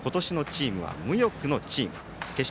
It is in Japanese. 今年のチームは無欲のチーム。